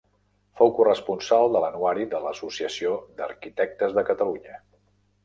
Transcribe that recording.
Fou corresponsal de l'Anuari de l'Associació d'Arquitectes de Catalunya.